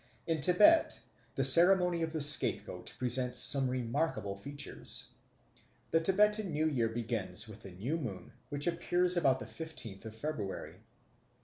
In Tibet the ceremony of the scapegoat presents some remarkable features. The Tibetan new year begins with the new moon which appears about the fifteenth of February.